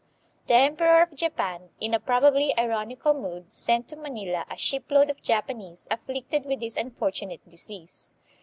The emperor of Japan, in a probably ironical mood, sent to Manila a shipload of Japanese afflicted with this unfortunate disease.